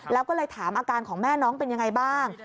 แล้วก็เลยถามอาการของแม่น้องเป็นยังไงบ้าง